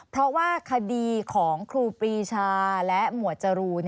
เพราะว่าคดีของครูปรีชาและหมวดจรูน